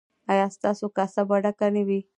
ایا ستاسو کاسه به ډکه نه وي؟